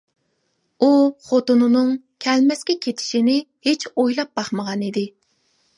ئۇ خوتۇنىنىڭ كەلمەسكە كېتىشىنى ھېچ ئويلاپ باقمىغانىدى!